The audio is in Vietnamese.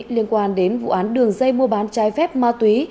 liên quan đến vụ án đường dây mua bán trái phép ma túy